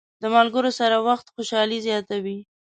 د ملګرو سره وخت خوشحالي زیاته وي.